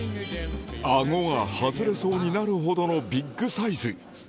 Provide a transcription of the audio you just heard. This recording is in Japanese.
顎が外れそうになるほどのビッグサイズ